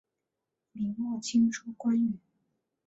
明末清初官员。